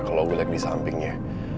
kalau gue liat di sampingnya